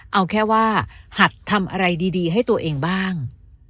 เอาแค่ว่าหัดทำอะไรดีให้ตัวเองบ้าง